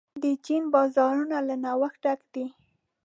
د چین بازارونه له نوښت ډک دي.